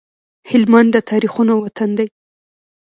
هلمند د تاريخونو وطن دی